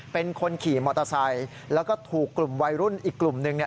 เป็นคนขี่มอเตอร์ไซค์แล้วก็ถูกกลุ่มวัยรุ่นอีกกลุ่มหนึ่ง